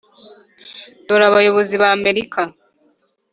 dore abayobozi b’amerika,